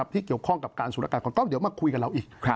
ที่เกี่ยวข้องกับการสุรการก่อนก็เดี๋ยวมาคุยกับเราอีก